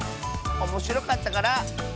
おもしろかったから。